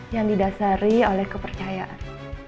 yang didasari oleh kepercayaan